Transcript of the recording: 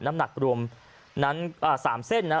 น้ำหนักรวม๓เส้น